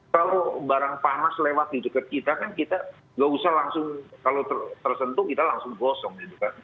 kalau barang panas lewat di dekat kita kita tidak usah langsung kalau tersentuh kita langsung gosong